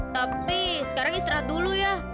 tapi sekarang istirahat dulu ya